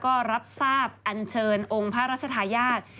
ก็รับทราบอันเชิญองค์พระราชทายาท